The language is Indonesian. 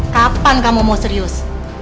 kapan kamu mau serius